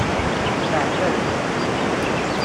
Steɛfan.